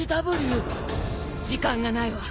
時間がないわ。